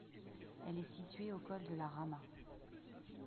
Elle est située au col de la Ramaz.